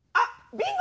ビンゴ！